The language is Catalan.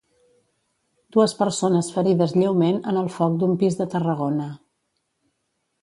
Dues persones ferides lleument en el foc d'un pis de Tarragona.